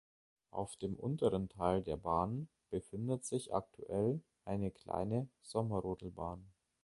Auf dem unteren Teil der Bahn befindet sich aktuell eine kleine Sommerrodelbahn.